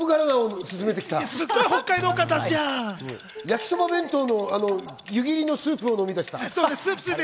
やきそば弁当の湯切りのスープを飲みだした。